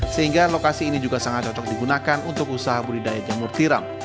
sehingga lokasi ini juga sangat cocok digunakan untuk usaha budidaya jamur tiram